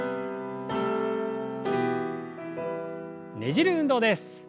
ねじる運動です。